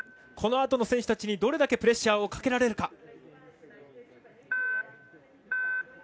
このあとの選手たちにどれだけプレッシャーをかけられるか。